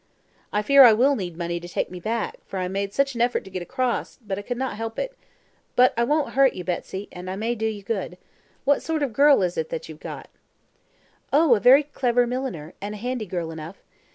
"I fear I will need money to take me back, for I made such an effort to get across, but I could not help it. But I won't hurt you, Betsy, and I may do you good. What sort of girl is it that you've got?" "Oh, a very clever milliner, and a handy girl enough.